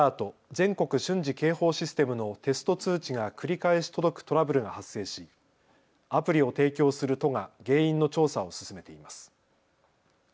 ・全国瞬時警報システムのテスト通知が繰り返し届くトラブルが発生しアプリを提供する都が原因の調査を進めています。